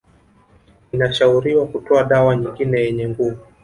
Inashauriwa kutoa dawa nyingine yenye nguvu